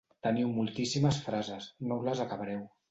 Teniu moltíssimes frases, no us les acabareu.